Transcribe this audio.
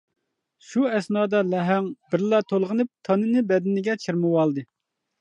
شۇ ئەسنادا لەھەڭ بىرلا تولغىنىپ تانىنى بەدىنىگە چىرمىۋالدى.